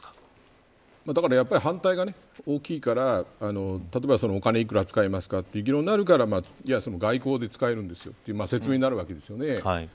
だから、やっぱり反対が大きいから例えばお金を幾ら使いますかという議論になるから外交で使えるんですという説明になるわけです。